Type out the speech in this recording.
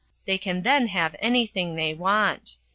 They can then have anything they want.